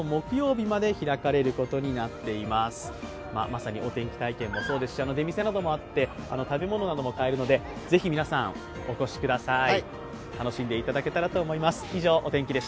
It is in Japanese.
まさにお天気体験もそうですし出店などもあって、食べ物なども買えるので、ぜひ皆さん、お越しください。